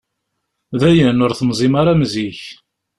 Dayen, ur temẓim ara am zik.